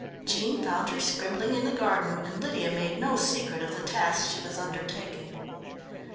Jean found her scribbling in the garden and Lydia made no secret of the task she was undertaking.